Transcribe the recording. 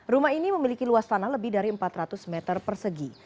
rumah ini memiliki luas tanah lebih dari empat ratus meter persegi